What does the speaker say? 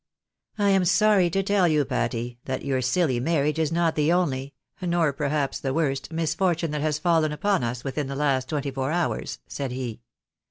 " I am sorry to tell you, Patty, that your silly marriage is not the only, nor perhaps the worst, misfortune that has fallen upon us within the last twenty four hours," said he.